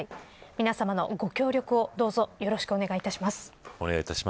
皆さまのご協力をどうぞよろしくお願いします。